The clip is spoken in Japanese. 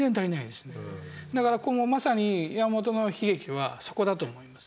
だからこのまさに山本の悲劇はそこだと思います。